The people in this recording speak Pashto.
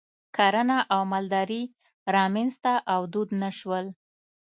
کرنه او مالداري رامنځته او دود نه شول.